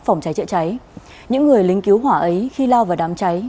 phòng cháy chữa cháy những người lính cứu hỏa ấy khi lao vào đám cháy